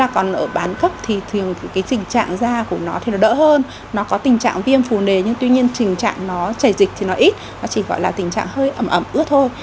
còn bán cấp thì trình trạng da của nó đỡ hơn có tình trạng viêm phù nề nhưng trình trạng chảy dịch ít chỉ gọi là tình trạng hơi ấm ấm ướt thôi